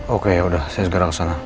oke yaudah saya segera ke sana